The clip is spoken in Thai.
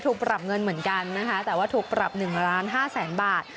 ถูกปรับเงินเหมือนกันนะคะแต่ว่าถูกปรับ๑ล้าน๕แสนบาท